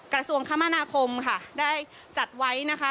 กระทรวงคมนาคมค่ะได้จัดไว้นะคะ